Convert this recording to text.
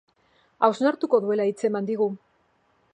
Hausnartuko duela hitzeman digu.